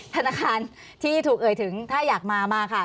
ธนาคารที่ถูกเอ่ยถึงถ้าอยากมามาค่ะ